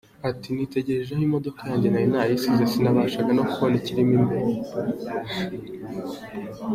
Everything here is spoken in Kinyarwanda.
Ati “Nitegereje aho imodoka yanjye nari nayisize, sinabashaga no kubona ikirimo imbere.